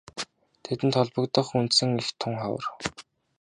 Тэдэнд холбогдох үндсэн эх тун ховор.